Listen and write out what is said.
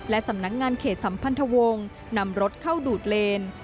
สำนักงานเขตสัมพันธวงศ์นำรถเข้าดูดเลน